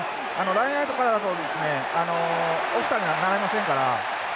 ラインアウトからだとオフサイドにはなりませんから。